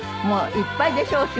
もういっぱいでしょ？